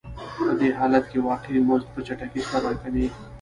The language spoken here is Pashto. په دې حالت کې واقعي مزد په چټکۍ سره راکمېږي